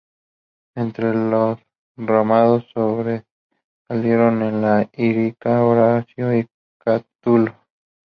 Entre los romanos sobresalieron en la lírica Horacio y Cátulo.